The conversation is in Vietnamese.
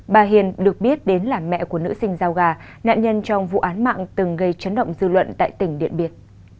bà hiền được biết đến là mẹ của nữ sinh giao gà nạn nhân trong vụ án mạng từng gây chấn động dư luận tại tỉnh điện biên